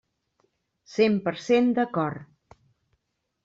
Cent per cent d'acord.